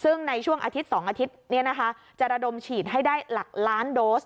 ซึ่งในช่วงอาทิตย์๒อาทิตย์จะระดมฉีดให้ได้หลักล้านโดส